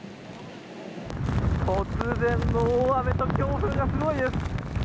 突然の大雨と強風がすごいです。